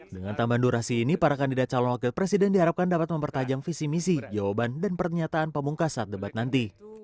dengan tambahan durasi ini para kandidat calon wakil presiden diharapkan dapat mempertajam visi misi jawaban dan pernyataan pemungkas saat debat nanti